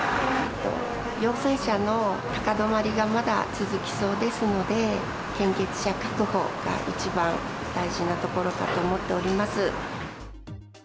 陽性者の高止まりがまだ続きそうですので、献血者確保が一番大事なところかと思っております。